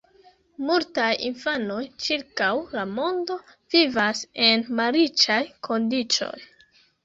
Multaj infanoj ĉirkaŭ la mondo vivas en malriĉaj kondiĉoj.